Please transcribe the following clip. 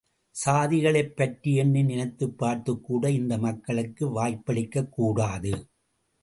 சாதிகளைப் பற்றி எண்ணி நினைத்துப் பார்க்கக்கூட இந்த மக்களுக்கு வாய்ப்பளிக்கக் கூடாது.